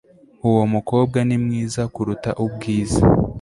Uwo mukobwa ni mwiza kuruta ubwiza